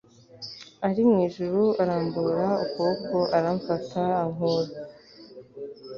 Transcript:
Ari mu ijuru arambura ukuboko aramfata Ankura